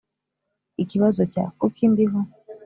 Ikibazo cya Kuki ndiho